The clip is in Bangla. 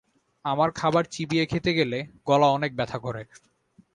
আমার খাবার চিবিয়ে খেতে গেলে গলা অনেক ব্যথা করে।